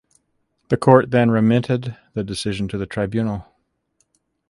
The court then remitted the decision to the Tribunal.